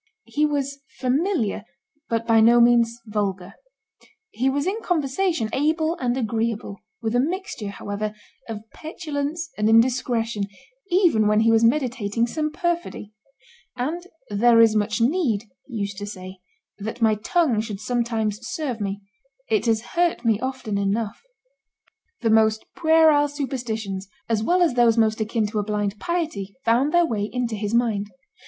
He was "familiar," but not by no means "vulgar;" he was in conversation able and agreeable, with a mixture, however, of petulance and indiscretion, even when he was meditating some perfidy; and "there is much need," he used to say, "that my tongue should sometimes serve me; it has hurt me often enough." The most puerile superstitions, as well as those most akin to a blind piety, found their way into his mind.